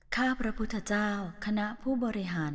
ข้าพระพุทธเจ้าคณะผู้บริหาร